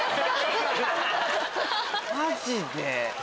マジで？